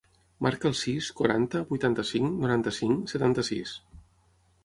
Marca el sis, quaranta, vuitanta-cinc, noranta-cinc, setanta-sis.